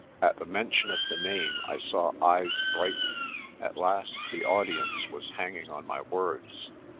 At the mention of the name I saw eyes brighten. At last the audience was hanging on my words.